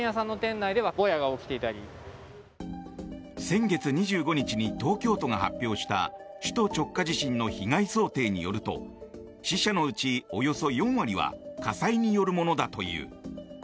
先月２５日に東京都が発表した首都直下地震の被害想定によると死者のうち、およそ４割は火災によるものだという。